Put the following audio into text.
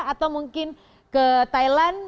atau mungkin ke thailand